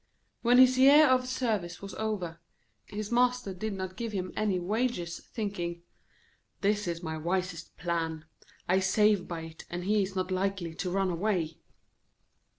When his year of service was over, his Master did not give him any wages, thinking: 'This is my wisest plan. I save by it, and he is not likely to run away.'